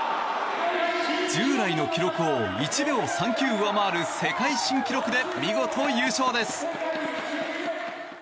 従来の記録を１秒３９上回る世界新記録で見事、優勝です。